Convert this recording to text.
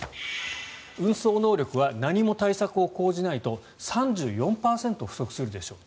運送能力は何も対策を講じないと３４％不足するでしょう。